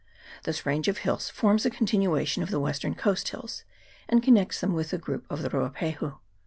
This range of hills forms a continuation of the western coast hills, and connects them with the group of the Ruapahu.